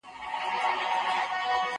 ته ولي وخت تېروې